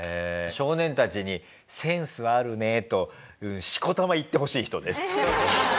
少年たちに「センスあるね」としこたま言ってほしい人です。